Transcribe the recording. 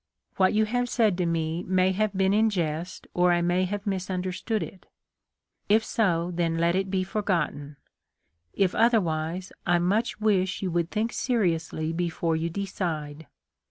'' What you have said to me may have been in jest or I may have misunderstood it. If so, then let it be forgotten ; if otherwise I much wish you would think seriously before you decide.